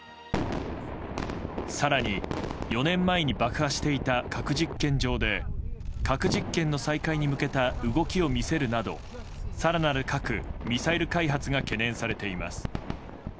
更に、４年前に爆破していた核実験場で核実験の再開に向けた動きを見せるなど更なる核・ミサイル開発が懸念されています。